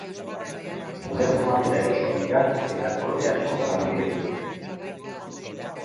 Modernoak eta erosoak dira eta kolore askotan aurki daitezke.